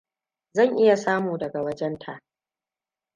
Zan iya samu daga wajen ta.